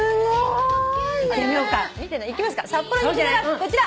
こちら。